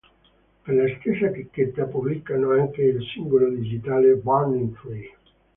Per la stessa etichetta pubblicano anche il singolo digitale "Burning Tree.